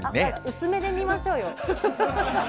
薄目で見ましょうよ。